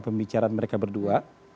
pembicaraan mereka berdua